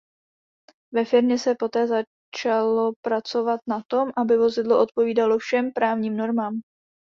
Ve firmě se poté začalo pracovat na tom aby vozidlo odpovídalo všem právním normám.